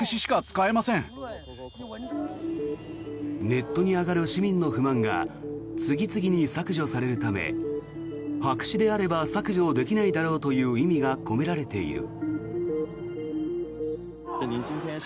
ネットに上がる市民の不満が次々に削除されるため白紙であれば削除できないだろうという意味が込められている。